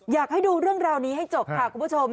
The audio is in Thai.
อยากให้ดูเรื่องราวนี้ให้จบค่ะคุณผู้ชม